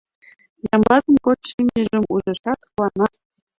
Ямблатын кодшо имньыжым ужешат, куана: